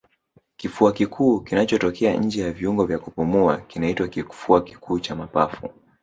Kifua kikuu kinachotokea nje ya viungo vya kupumua kinaitwa kifua kikuu cha mapafu